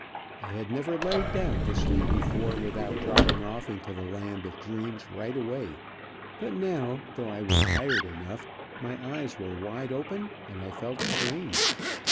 I had never laid down to sleep before without dropping off into the land of dreams right away, but now, though I was tired enough, my eyes were wide open and I felt strange.